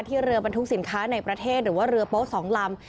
เรือบรรทุกสินค้าในประเทศหรือว่าเรือโป๊ะ๒ลำ